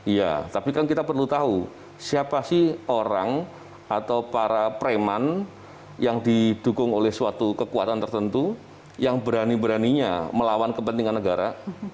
iya tapi kan kita perlu tahu siapa sih orang atau para preman yang didukung oleh suatu kekuatan tertentu yang berani beraninya melawan kepentingan negara